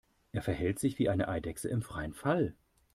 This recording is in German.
Er verhält sich wie eine Eidechse im freien Fall.